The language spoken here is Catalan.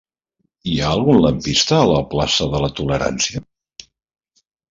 Hi ha algun lampista a la plaça de la Tolerància?